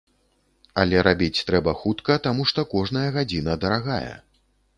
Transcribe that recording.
Але рабіць трэба хутка, таму што кожная гадзіна дарагая.